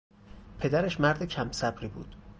پدرش مرد کم صبری بود.